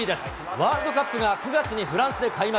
ワールドカップが９月にフランスで開幕。